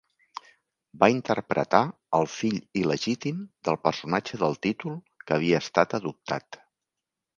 Va interpretar el fill il·legítim del personatge del títol, que havia estat adoptat.